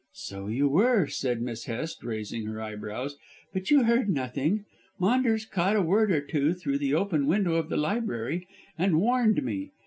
"So you were," said Miss Hest raising her eyebrows, "but you heard nothing. Maunders caught a word or two through the open window of the library and warned me.